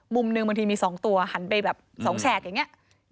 มุมหนึ่งบางทีมี๒ตัวหันไปแบบ๒แฉกอย่างนี้